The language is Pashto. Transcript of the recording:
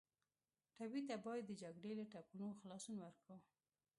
ټپي ته باید د جګړې له ټپونو خلاصون ورکړو.